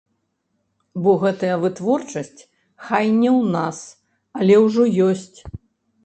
Бо гэтая вытворчасць, хай не ў нас, але ўжо ёсць.